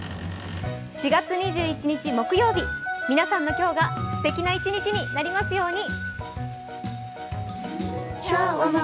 ４月２１日木曜日皆さんの今日がすてきな一日になりますように。